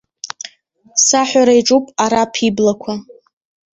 Саҳәара иаҿуп араԥ иблақәа.